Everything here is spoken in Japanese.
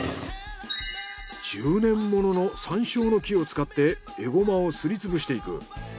１０年ものの山椒の木を使ってエゴマをすり潰していく。